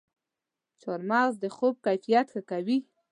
چارمغز د خوب کیفیت ښه کوي.